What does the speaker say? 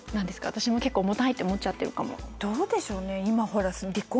私も結構重たいって思っちゃってるかもどうでしょうね？